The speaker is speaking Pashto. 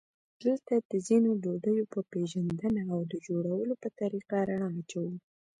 دلته د ځینو ډوډیو په پېژندنه او د جوړولو په طریقه رڼا اچوو.